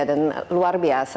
dan luar biasa